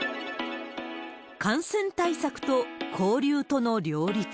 感染対策と交流との両立。